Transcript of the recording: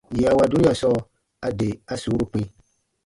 Yè a wa dunia sɔɔ, a de a suuru kpĩ.